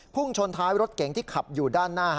ชนท้ายรถเก๋งที่ขับอยู่ด้านหน้า